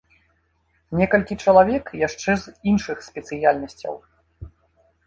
Некалькі чалавек яшчэ з іншых спецыяльнасцяў.